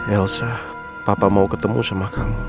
elsa papa mau ketemu sama kamu